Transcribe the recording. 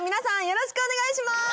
よろしくお願いします。